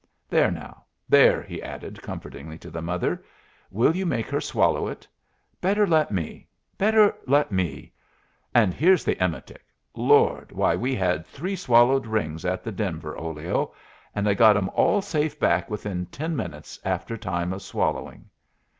There, now, there," he added, comfortingly to the mother. "Will you make her swallow it? Better let me better let me And here's the emetic. Lord! why, we had three swallowed rings at the Denver Olio, and I got 'em all safe back within ten minutes after time of swallowing."